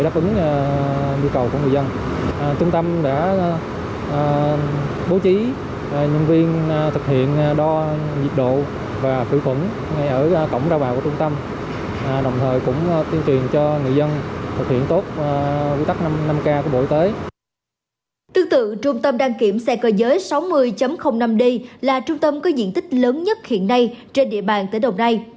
tương tự trung tâm đăng kiểm xe cơ giới sáu mươi năm d là trung tâm có diện tích lớn nhất hiện nay trên địa bàn tỉa đồng này